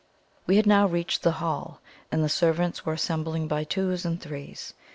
We had now reached the hall, and the servants were assembling by twos and threes.